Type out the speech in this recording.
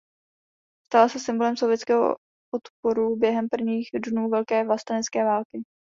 Stala se symbolem sovětského odporu během prvních dnů Velké vlastenecké války.